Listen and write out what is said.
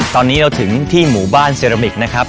ตอนนี้เราถึงที่หมู่บ้านเซรามิกนะครับ